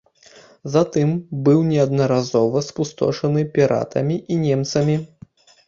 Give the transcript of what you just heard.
Затым быў неаднаразова спустошаны піратамі і немцамі.